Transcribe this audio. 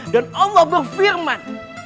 dan allah berfirman